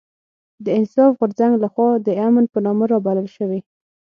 د انصاف غورځنګ لخوا د امن په نامه رابلل شوې